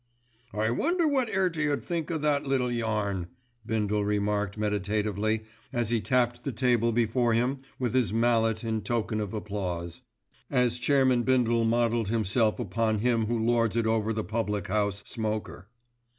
"I wonder wot 'Earty 'ud think o' that little yarn," Bindle remarked meditatively as he tapped the table before him with his mallet in token of applause. As chairman Bindle modelled himself upon him who lords it over the public house "smoker."